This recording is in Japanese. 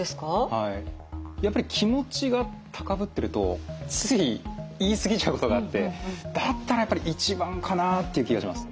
はいやっぱり気持ちが高ぶってるとつい言い過ぎちゃうことがあってだったらやっぱり１番かなっていう気がします。